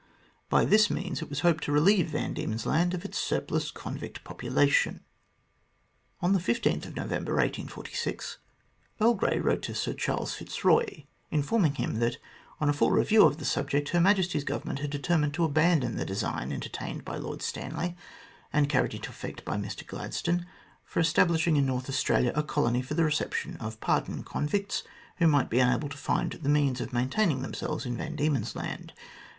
By this means it was hoped to relieve Van Diemen's Land of its surplus convict population. On November 15, 1846, Earl Grey wrote to Sir Charles Fitzroy, informing him that, on a full review of the subject, Her Majesty's Government had determined to abandon the design entertained by Lord Stanley, and carried into effect by Mr Gladstone, for establishing in North Australia a colony for the reception of pardoned convicts who might be unable to find the means of maintaining themselves in Van Diemen's Land.